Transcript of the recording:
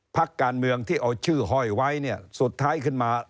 พักการเมืองที่เอาชื่อห้อยไว้เนี่ยสุดท้ายขึ้นมา